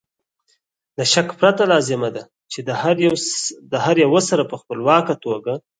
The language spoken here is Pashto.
له شک پرته لازمه ده چې د هر یو سره په خپلواکه توګه